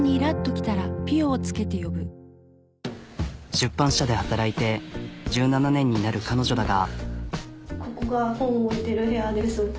出版社で働いて１７年になる彼女だが。